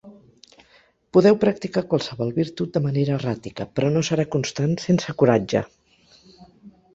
Podeu practicar qualsevol virtut de manera erràtica, però no serà constant sense coratge.